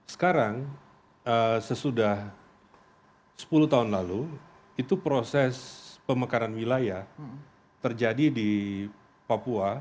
sekarang sesudah sepuluh tahun lalu itu proses pemekaran wilayah terjadi di papua